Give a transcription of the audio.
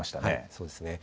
そうですね。